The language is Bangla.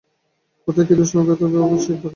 কোথায় কী দুষ্টামি করিতে হইবে, ও সেই কথাই ভাবে।